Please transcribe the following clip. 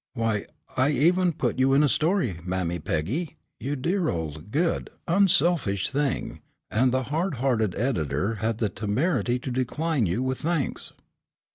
Why, I even put you in a story, Mammy Peggy, you dear old, good, unselfish thing, and the hard hearted editor had the temerity to decline you with thanks."